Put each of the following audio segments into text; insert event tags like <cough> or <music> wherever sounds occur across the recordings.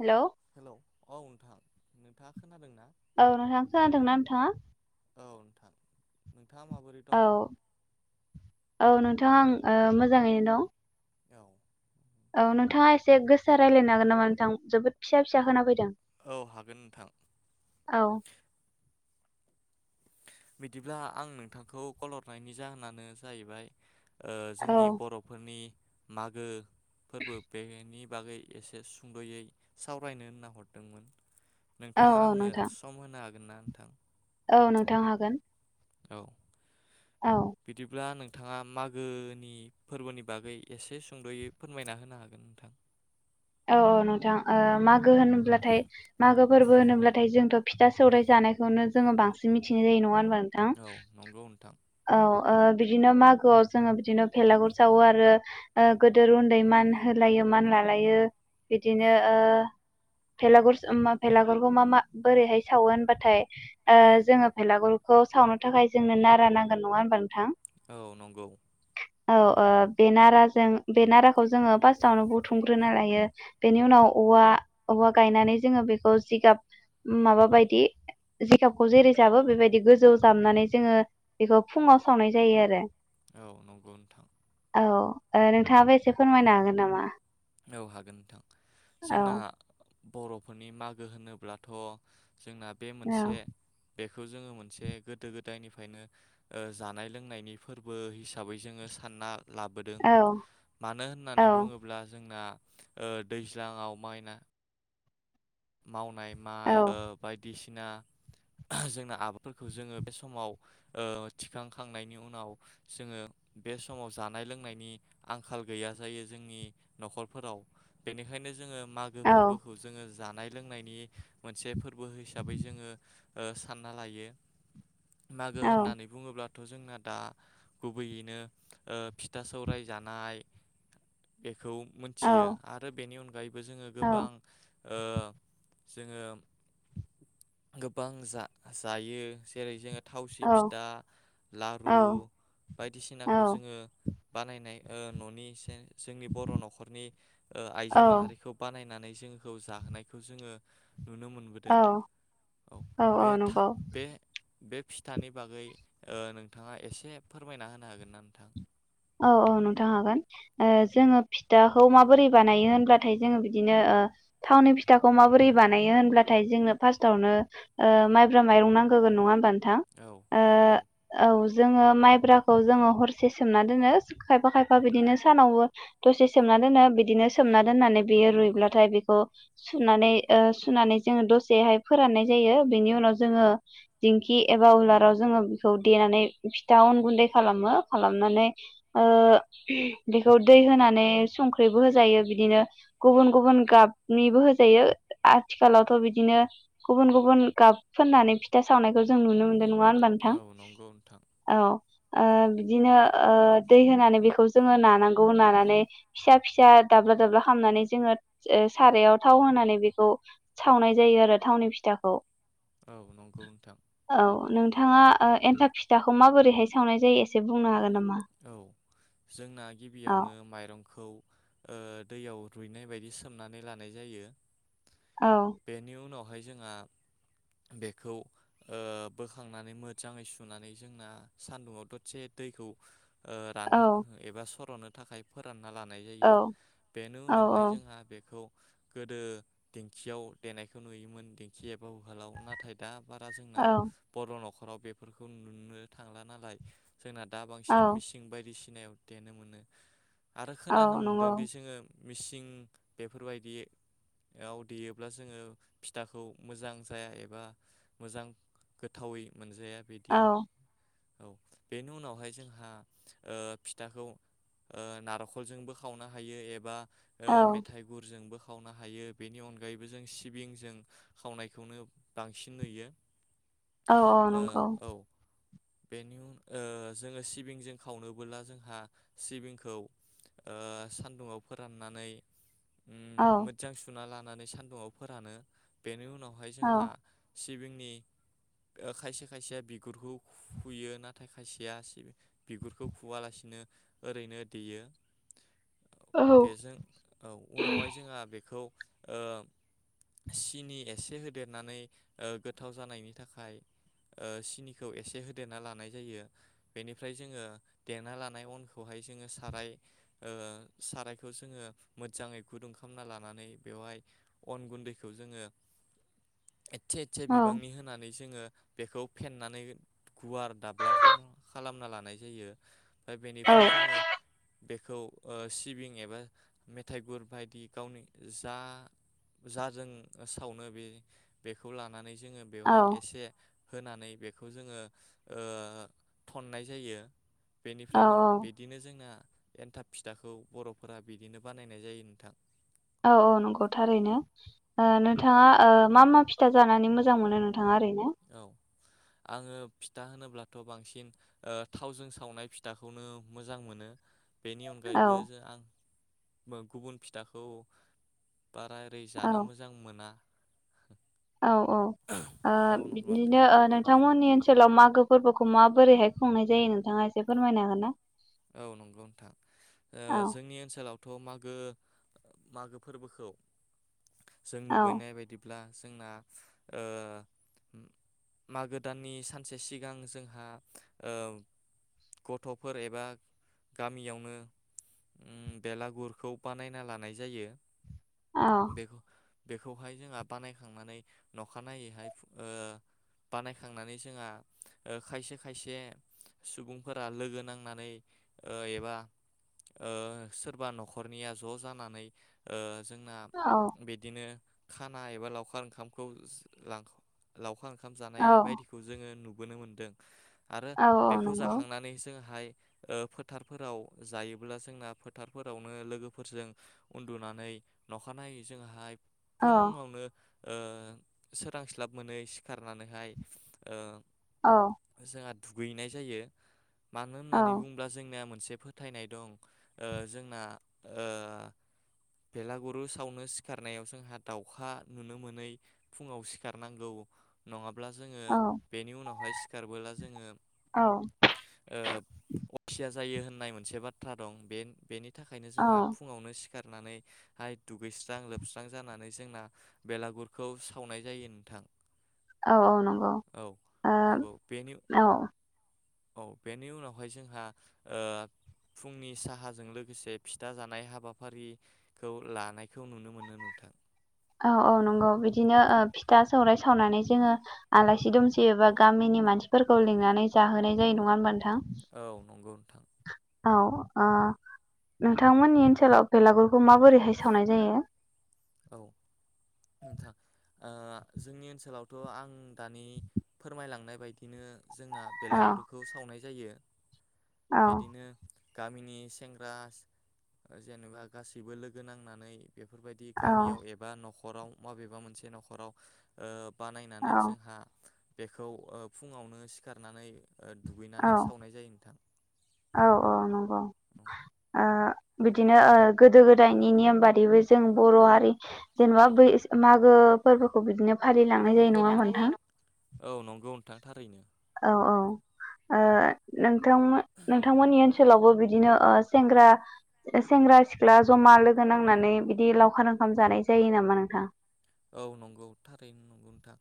Hello hello औ नोंथां। नोंथाङा खोनादोंना। औ नोंथां खोनादोना नोंथाङा। औ नोंथां। नोंथाङा माबोरै दं। थां मोजाङैनो दं। औ। औ नोंथां नोंथाङा एसे गोसा रायलायनो हागोन नामा नोंथां जोबोद फिसा फिसा खोना फैदों। औ हागोन नोंथां औ। बिदिब्ला आं नोंथांखौ कल हरनायनि जाहोनानो जाहैबाय। ओ औ जोंनि बर'फोरनि। मागो। फोरबो <unintelligible> बागै एसे सुंदयै सावरायनो ओनना हरदोंमोन। औ नोंथाङा आंनो नोंथां सम होनो हाग गोनना नोंथां। औ नोंथां हागोन। औ। औ बिदिब्ला नों। थाङा मागोनि फोरबोनि बागै एसे सुंदयै फोरमायना होनो हागोन नोंथां। औ औ नोंथां ओ माग गो होनब्लाथाय मागो फोरबो होनोबाथाय जोंथ फिथा सौराय जानायखौनो जोंङो बांसिन मिथिनाय जायो नंङा होनबा थां औ नंगौ नोंथां औ ओ बिदिनो मागोआव जोंङो बिदिनो भेलागुर सावो आरो ओ गोदोर उन्दै मान होलायो मान लालायो। बिदिनो ओ भेलागुर स-मा भेलागुरखौ मा मा बोरैहाय सावो होनबाथाय ओ जोंङो भेलागुरखौ सावनो थाखाय जोंनो नारा नांगोन नंङा होनबा नोंथां? औ नंगौ। औ ओ बे नाराजों बे नाराखौ जोंङो फार्स्टावनो बुथुमग्रोना लायो बेनि उनाव औवा औवा गायनानै जोंङो बेखौ जिगाब माबा बायदि जिगाबखौ जेरै जाबो बेबायदि गोजौ जाबनानै जोंङो बेखौ फुंङाव सावनाय जायो आरो। औ नंगौ नोंथां। औ ओ नोंथांङाबो एसे फोरमायनो हागोन नामा? औ हाग गोन नोंथां औ जोंना बर'फोरनि मागो होनोब्लाथ जोंना बे औ मोनसे बेख खौ जोंङो मोनसे गोदो गोदायनिफ्रायनो ओ जानाय लोंनायनि फोरबो हिसाबै जोंङो सानना लाबोदों औ मानो औ होननानै बुंङोब्ला जोंना ओ दैज्लांङाव माइना मावनाय औ माइ ओ बायदिसि ना जोंना आबादफोरखौ जोंङो बे समाव ओ थिखांखांनायनि उनाव जोंङो बे समाव जानाय लोंनायनि आंखाल गैया जायो जोंनि नखरफोराव बेनिखायनो जोंङो मागो औ फोरबोखौ जोंङो जानाय लोंनायनि मोनसे फोरबो हिसाबै जोंङो ओ सानना लायो। मागो औ होननानै बुंङोब्ला थ जोंना दा गुबैयैनो ओ फिथा सौराय जानाय खौ मोनथियो आरो बेनि अन बो जोंङो औ गोबां ओ जोंङो गोबां जा जायो जेरै जोंङो थावसि औ फिथा, औ लारु औ बायदिसिनाखौ जोंङो बानायनाय ओ ननि एसे जोंनि बर' नखरनि औ आइजो माहारिखौ बानायनानै जों खौ जाहोनायखौ जोंङो नुनो मोनबोदों औ औ बे औ था नंगौ बे-बे फिथानि बागै ओ नोंथाङा एसे फोरमायना होनो हागोन ना नोंथां? औ औ नोंथां हागोन ओ जोंङो फिथाखौ माबोरै बानायो होनब्लाथाय जोंङो बिदिनो ओ थावनि फिथाखौ माबोरै बानायो होनब्लाथाय जोंनो फार्स्टावनो ओ माइब्रा माइरं नांगोगोन नंङा होमबा नो थां औ नंगौ ओ औ जोङो माइब्राखौ जोङो हरसे सोमनानै दोनो खायफा खायफा बिदिनो सानावबो दसे सोमना दोनो। बिदिनो सोमना दोन्नानै बेयो रुइब्लाथाय बेखौ सुनानै ओ सुनानै जोङो दसेहाय फोरान्नाय जायो। बेनि उनाव जोङो दिंखि एबा उलाराव जोङो बेखौ देनानै फिथा अन गुन्दै खालामो। खालामनानै ओ बेखौ दै होनानै संख्रिबो होजायो बिदिनो गुबुन गुबुन गाबनिबो होजायो आथिखालावथ बिदिनो गुबुन गुबुन गाब फोन्नानै फिथा सावनायखौ जों नुनो मोनो। नङा होनबा नोंथां? औ नंगौ नोंथां औ। ओ बिदिनो ओ दै होनानै बेखौ जोङो नानांगौ नानानै फिसा फिसा दाब्ला दाब्ला खालामनानै जोङो सारायाव थाव होनानै बेखौ सावनाय जायो आरो थावनि फिथाखौ। औ नंगौ नोंथां। औ नोंथाङा ओ एन्थाब फिथाखौ माबोरैहाय सावनाय जायो एसे बुंनो हागोन नामा? औ जोंना औ गिबियावनो माइरंखौ ओ दैयाव रुइनाय बायदि सोमनानै लानाय जायो। औ बेनि उनावहाय जोंहा बेखौ ओ बोखांनानै मोजाङै सुनानै जोंना सान्दुङाव ददसे दैखौ ओ रानहो औ एबा स र'नो थाखाय फोरान ना लानाय औ जायो। बेनि औ उनावहाय औ जोंहा बेखौ गोदो दिेंखियाव देनायखौ नुयोमोन दिेंखि एबा उहालाव नाथाय दा बारा औ जोंना बर' नख' राव बेफोरखौ नुनो थांला नालाय जोंना दा औ दिन मिसिं बायदि सिनायाव देनो मोनो। आरो औ खोनानो नंगौ मोन्दों बे जोङो मिसिं बेफोरबायदियाव देयोब्ला जोङो फिथाखौ मोजां जाया एबा मोजां गोथावै मोनजाया औ बिदि। औ बेनि उनावहाय जों हा ओ फिथाखौ ओ नार'खलजोंबो खावनो हायो एबा औ मेथाइ गुरजोंबो खाव वनो हायो बेनि अनगायैबो जों सिबिं जों खावनायखौनो बांसिन नुयो। औ औ ओ नंगौ। औ बेनि उन जोङो सि बिंजों खावनोबोला जोंहा सिबिंखौ ओ सान्दुंआव फोरान्नानै उम औ मोजां सुना ला नानै सान्दुुंआव फोरानो। बेनि उनाव वहाय औ जोंहा सिबिंनि ओ खायसे खायसेया बिगुरखौ खुयो नाथाय खायसेया सिबिं बिगुरखौ खुवालासिनो ओरैनो देयो। औ बेजों औ उनावहाय जोंहा बेखौ ओ सिनि एसे होदेरनानै गोथाव जानायनि थाखाय ओ सिनिखौ एसे होदेरना लानाय जायो बेनि फ्राय जोंङो देना लानाय अनखौहाय जोंङो साराय ओ सारायखौ जोंङो मोजाङै गुदुं खालामना लानानै बेवहाय अन गुन्दैखौ जोंङो एसे एसे औ बिबांनि होनानै जोंङो बेखौ फेनानै गुवार दाब्ला खालाम खालामना लानाय जायो दा औ बेनिफ्राय जोंङो बेखौ ओ सिबिं एबा मेथाइ गुर बायदि गावनि जा जाजों सावनो बे बेखौ लानानै जोंङो बेवहाय एसे होनानै बेखौ जोंङो ओ थननाय जायो औ बेनिफ्रायनो बिदिनो जोंना एन्थाब फिथाखौ बर'फोरा बिदिनो बानायनाय जायो नोंथां। औ औ नंगौ थारैनो नोंथाङा मा मा फिथा जानानै मोजां मोनो नोंथाङा ओरैनो? औ आंङो फिथा होनोब्लाथ बांसिन ओ थावजों सावनाय फिथाखौनो मोजां मोनो। बेनि औ अनगायैबो जो आं गुबुन फिथाखौ बारा ओरै औ जानो मोजां मोना। <inaudible> औ औ ओ औ नंगौ नोंथां बिदिनो ओ नोंथांमोननि ओनसोलाव मागो फोरबोखौ माबोरैहाय खुंनाय जायो नोंथांङा एसे फोरमायनो हागोन ना? औ नंगौ नोंथां ओ औ जोंनि ओनसोलावथ मा गो मागो फोरबोखौ जों औ नुबोननाय बायदिब्ला जोंना ओ मागो दाननि सानसे सिगां जोंहा ओ गथ'फोर एबा गामियावनो उम्म बेलागुरखौ बानायना लानाय जायो। औ बेखौ बेखौहाय जोंहा बानायखांनानै नखानाययैहाय ओ बानायखांनानै जोंहा खायसे खायसे सुबुंफोरा लोगो नांनानै ओ एबा ओ सोरबा न'खरनिया ज जानानै ओ जोंना औ बिदिनो खाना एबा लावखार ओंखामखौ लां लावखार ओंखाम जानाय औ बायदिखौ जोंङो नु नुबोनो मोनदों आरो औ औ बेखौ नंगौ जाखांनानै जोंहाय ओ फोथारफोराव जायोब्ला जोंना फोथारफोरावनो लोगोफोरजों उन्दुनानै नखानायै जोंहाय औ फुंङावनो ओ सोरांस्लाब मोनै सिखारनानैहाय ओ औ जोंहा दुगैनाय जायो मानो होननानै औ बुं जोंनिया मोनसे फोथायनाय दं ओ जोंना ओ बेलागुरु सावनो सिखारनायाव जोंहा दाउखा नुनो मोनै फुङाव सिखारनांगौ नङाब ब्ला जोङो औ बेनि उनावहाय सिखाबोला जोङो ओ खुथिया जायो होननाय मोनसे बाथ्रा दं बे बेनि थाखायनो जोंहा औ फुङावनो सिखार नानै हाय दुगैस्रां लोबस्रां जानानै जोंना बेलागुरखौ सावनाय जायो नोंथां औ औ नंगौ औ नंगौ बेनि ओ औ औ बेनि उनावहाय जोंहा ओ फुंनि साहाजों लोगोसे फिथा जानाय हाबाफारिखौ लानायखौ नुनो मोनो नोंथां औ औ नंगौ बिदिनो ओ फिथा सौराय सावनानै जोङो आलासि दुमसि एबा गामिनि मानसिफोरखौ लिंनानै जाहोनाय जायो नङा होनबा नों औ नंगौ <inaudible> औ ओ नोंथांमोननि ओनसोलाव बेलागुरखौ माबोरैहाय सावनाय जायो औ नोंथां ओ जोंनि ओनसोलावथ आं दानि फोरमायलांनाय बायदिनो जोंना औ बेलागुरुखौ सावनाय जायो औ बिदिनो गामिनि सेंग्रा जेनेबा गासैबो लोगो नांनानै बेफोरबायदि औ गामियाव एबा नखर नखराव माबेबा मोनसे नखराव ओ बानायनानै औ जोंहा बेखौ ओ फुङावनो सिखारनानै ओ औ दुगैनानै सावनाय जायो नोंथां औ औ नंगौ ओ बिदिनो ओ गोदो गोदायनि नेम बादिबो जों बर हारि जेनेबा बै मागो फोरबोखौ बिदिनो फारि लांनाय जायो दै नङा लांनाय जायो नोंथां न औ नंगौ नोंथां थारैनो। औ औ ओ नोंथांमो नोंथांमोननि ओनसोलावबो बिदिनो ओ सेंग्रा सेंग्रा सिख्ला जमा लोगो नांनानै बिदि लावखार ओंखाम जानाय जायो नामा नोंथां औ नंगौ थारैनो नंगौ नोंथां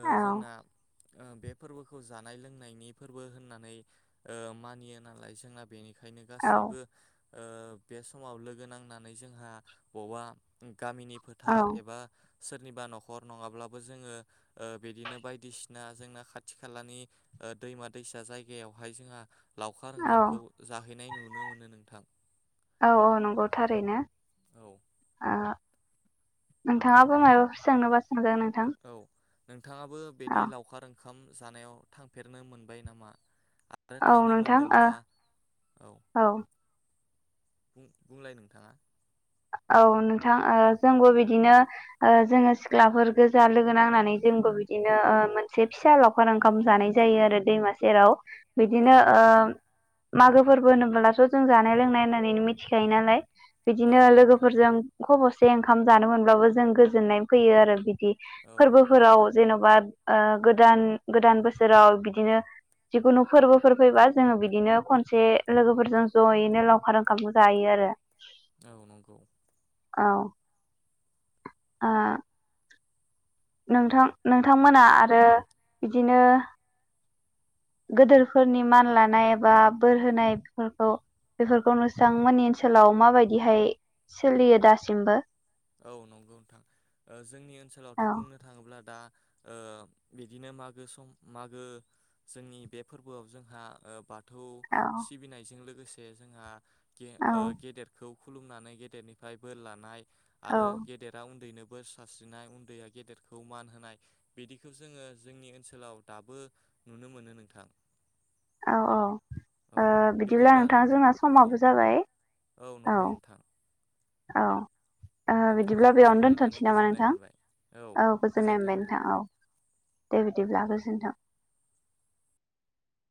ओ औ जोंना ओ बे फोरबोखौ जानाय लोंनायनि फोरबो होननानै ओ मानियो नालाय जोंना बेनि बेखायनो औ गासैबो ओ बे समाव लोगो नांनानै जोंहा बबा गामिनि औ फोथार एबा सोरनिबा नखर नङाब्लाबो जोङो ओ बिदिनो बायदिसिना जोंना खाथि खालानि ओ दैमा दैसा जायगायावहाय जोंहा लावखार औ ओंखामखौ जाहैनाय नुनो मोनो नोंथां औ आ नोंथाङाबो नोंथां मायबाफोर सोंनोबा सो होनग्रा नोंथां औ नोंथाङाबो बिदि औ लावखार ओं ओंखाम जानायाव थांफेरनो मोनबाय नामा? आरो औ थांनो नोंथां ओ मोनदोंब्ला औ बुं-बुंलाय नोंथाङा औ नोंथां ओ जोंबो बिदिनो ओ जोङो सिख्लाफोर गोजा लोगो नांनानै जोंबो बिदिनो ओ मोनसे फिसा लावखार ओंखाम जानाय जायो आरो दैमा सेराव। औ बिदिनो ओ नंगौ मागो फोरबो होनबोलास जों जानाय लोंनाय होननानै मिथिखायो नालाय बे औ बिदिनो नंगौ नोंथां लोगोफोरजों खबस एसे ओंखाम जानो मोनब्लाबो जों गोजोननाय फैयो आरो बिद दि औ फोरबोफोराव जेनेबा ओ गोदान गोदान बोसोराव बिदिनो जिखुनु फोरबोफोर फैबा जोङो बिदिनो खनसे लोगोफोरजों जयैनो लावखार ओंखाम जायो आरो। औ नंगौ औ आ नोंथां-नोंथांमोना आरो बिदिनो गोदोरफोरनि मान लानाय एबा बोर होनायफोरखौ बेफोरखौ नोंस्रामोननि ओनसोलाव माबायदिहाय सोलियो दासिमबो? औ नंगौ नोंथां जोंनि औ ओनसोलावथ बुंनो थाङोब्ला दा ओ बिदिनो मागो सम मागो जोंनि बे फोरबोआव जोंहा ओ बाथ थौ औ सिबिनायजों लोग गोसे जोंहा गे औ ओ गेदेरखौ खुलुमनानै गेदेरनिफ्राय बोर लानाय औ आरो गेदेरा उन्दैनो बोर सस्रिनाय उन्दैया गेदेरखौ मान होनाय बिदिखौ जोङो जोंनि ओनसोलाव दाबो नुनो मोनो नोंथां। औ औ ओ बिदिब्ला नोंथां जोंना समाबो जाबाय औ नंगौ नोंथां औ ओ नोंथांजों बिदिब्ला बेयावनो सावरायनानै दोनथ'नोसै नामा गोजोननाय नोंथां मोनबाय औ गोजोननाय मोनबाय नोंथां औ दे बिदिब्ला गोजोन जोनथों